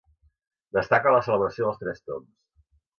Destaca la celebració dels Tres Tombs.